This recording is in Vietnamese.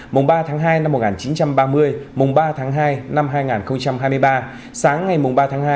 mùng ba tháng hai năm một nghìn chín trăm ba mươi mùng ba tháng hai năm hai nghìn hai mươi ba sáng ngày ba tháng hai